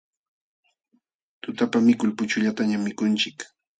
Tutapa mikul puchullatañam mikunchik.